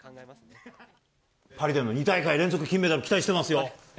パリでの２大会連続金メダル、期待してますよ。